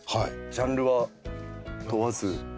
ジャンルは問わず。